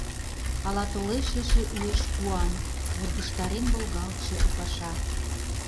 Ала толеш эше уэш куан, Вургыжтарен волгалтше у паша.